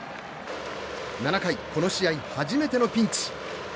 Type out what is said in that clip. ７回、この試合初めてのピンチ。